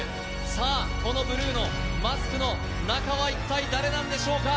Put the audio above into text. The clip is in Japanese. さあ、このブルーのマスクの中は一体誰なんでしょうか。